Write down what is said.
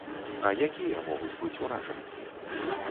А якія могуць быць уражанні?